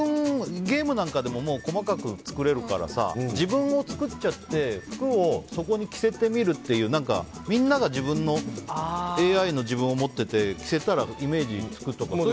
ゲームなんかでも細かく作れるからさ自分を作っちゃって服をそこに着せてみるっていうみんながＡＩの自分を持ってて着せたら、イメージが。